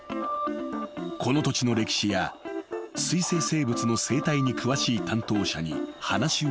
［この土地の歴史や水生生物の生態に詳しい担当者に話を伺うと］